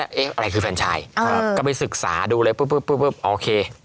เอ๊ะอะไรคือแฟนชายก็ไปศึกษาดูเลยปุ๊บปุ๊บโอเค